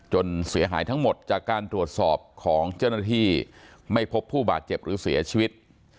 เสียหายทั้งหมดจากการตรวจสอบของเจ้าหน้าที่ไม่พบผู้บาดเจ็บหรือเสียชีวิต